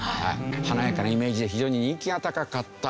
華やかなイメージで非常に人気が高かった。